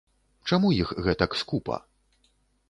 Чаму іх гэтак скупа?